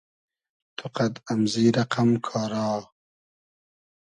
تو قئد امزی رئقئم کارا